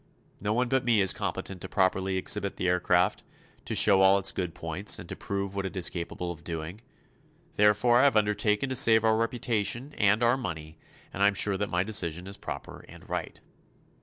No one but me is competent to properly exhibit the aircraft, to show all its good points and prove what it is capable of doing. Therefore I have undertaken to save our reputation and our money, and I am sure that my decision is proper and right."